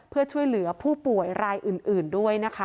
เพื่อช่วยเหลือผู้ป่วยรายอื่นด้วยนะคะ